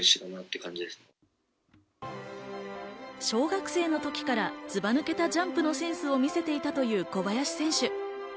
小学生の時からズバ抜けたジャンプのセンスを見せていたという小林選手。